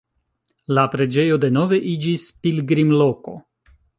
La preĝejo denove iĝis pilgrimloko.